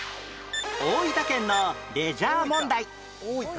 大分県のレジャー問題